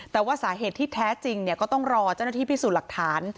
แต่ว่าสาเหตุที่แท้จริงก็ต้องรอเจ้าหน้าที่พิสูจน์หลักฐาน